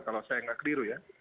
kalau saya nggak keliru ya